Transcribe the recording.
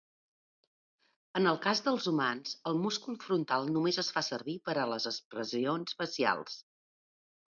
En el cas dels humans, el múscul frontal només es fa servir per a les expressions facials.